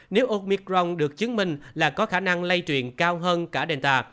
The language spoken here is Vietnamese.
nếu omicron được chứng minh là có khả năng lây truyền cao hơn cả denta